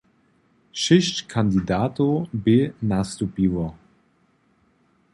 Šěsć kandidatow bě nastupiło.